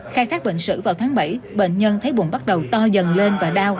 khai thác bệnh sử vào tháng bảy bệnh nhân thấy bụng bắt đầu to dần lên và đau